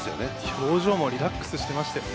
表情もリラックスしていましたよね。